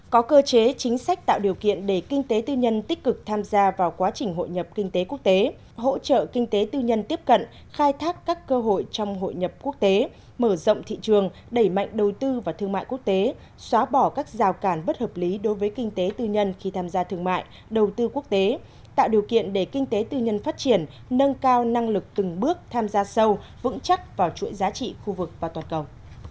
có cơ chế chính sách tạo điều kiện để kinh tế tư nhân tích cực tham gia vào quá trình hội nhập kinh tế quốc tế hỗ trợ kinh tế tư nhân tiếp cận khai thác các cơ hội trong hội nhập quốc tế mở rộng thị trường đẩy mạnh đầu tư và thương mại quốc tế xóa bỏ các rào cản bất hợp lý đối với kinh tế tư nhân khi tham gia thương mại đầu tư quốc tế tạo điều kiện để kinh tế tư nhân phát triển nâng cao năng lực từng bước tham gia sâu vững chắc vào chuỗi giá trị khu vực và toàn cầu